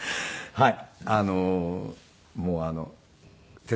はい。